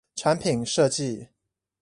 產品設計